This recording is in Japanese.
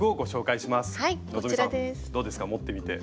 どうですか持ってみて？